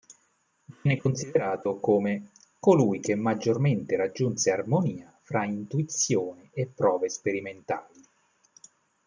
Viene considerato come "colui che maggiormente raggiunse armonia fra intuizione e prove sperimentali".